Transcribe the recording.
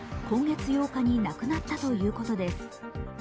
今月８日に亡くなったということです。